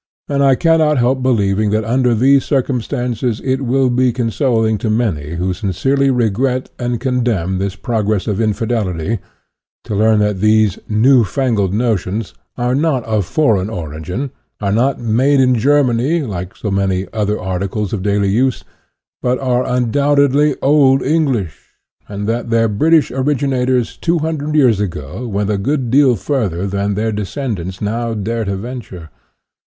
And I cannot help be lieving that under these circumstances it will be consoling to many who sincerely regret and con demn this progress of infidelity, to learn that these " new fangled notions " are not of foreign origin, are not " made in Germany," like so many other articles of daily use, but are undoubtedly Old English, and that their British originators two hundred years ago went a good deal further than their descendants now dare to venture.